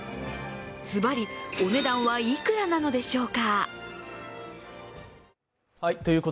ずばり、お値段は、いくらなのでしょうか。